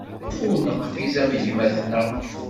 Ur neqfiz am gma-tneɣ.